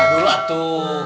entah dulu atuh